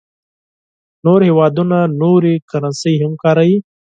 نور هېوادونه نورې کرنسۍ هم کاروي.